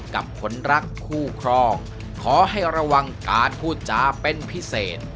กับคนรักคู่ครองขอให้ระวังการพูดจาเป็นพิเศษ